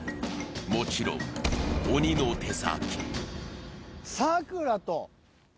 もろちん鬼の手先。